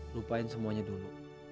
lupain semuanya dulu